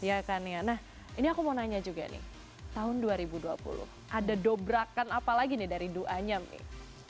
iya kan ya nah ini aku mau nanya juga nih tahun dua ribu dua puluh ada dobrakan apa lagi nih dari duanyam nih